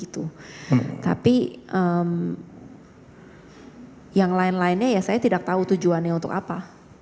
tapi yang lain lainnya ya saya tidak tahu tujuannya untuk apa